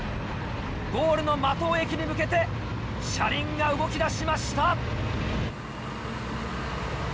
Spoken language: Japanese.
ゴールの間藤駅に向けて車輪が動きだしました。